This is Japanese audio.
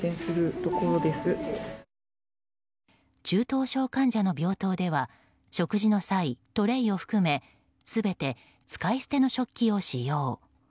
中等症患者の病棟では食事の際トレーを含め全て使い捨ての食器を使用。